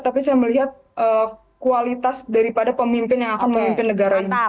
tapi saya melihat kualitas daripada pemimpin yang akan memimpin negara ini